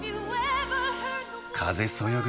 風そよぐ